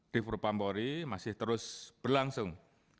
dief purpampori masih terus berlangsung